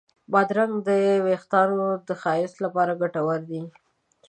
بادرنګ د وېښتانو د ښایست لپاره ګټور دی.